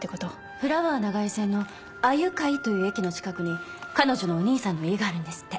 フラワー長井線の鮎貝という駅の近くに彼女のお兄さんの家があるんですって。